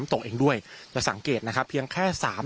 และก็คือว่าถึงแม้วันนี้จะพบรอยเท้าเสียแป้งจริงไหม